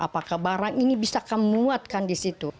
apakah barang ini bisa kamu muatkan di situ